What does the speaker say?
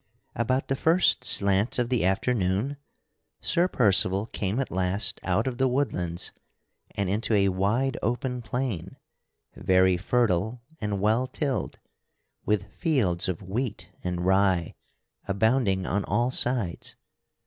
About the first slant of the afternoon Sir Percival came at last out of the woodlands and into a wide open plain, very fertile and well tilled, with fields of wheat and rye abounding on all sides.